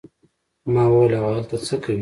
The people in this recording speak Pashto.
ما وویل: هغه هلته څه کوي؟